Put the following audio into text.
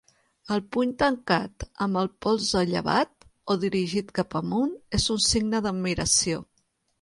El puny tancat, amb el 'polze llevat', o dirigit cap amunt és un signe d'admiració.